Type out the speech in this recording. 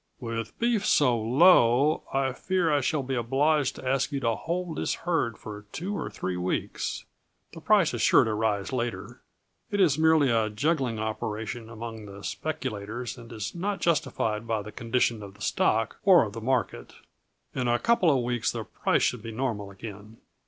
"With beef so low, I fear I shall be obliged to ask you to hold this herd for two or three weeks. The price is sure to rise later. It is merely a juggling operation among the speculators and is not justified by the condition of the stock, or of the market. In a couple of weeks the price should be normal again."